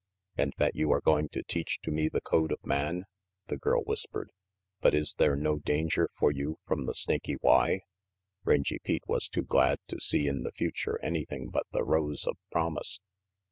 "And that you are going to teach to me the code of man?" the girl whispered. "But is there no danger for you, from the Snaky Y?" Rangy Pete was too glad to see in the future any thing but the rose of promise.